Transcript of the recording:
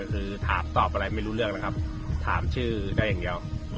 คือถามตอบอะไรไม่รู้เรื่องนะครับถามชื่อได้อย่างเดียว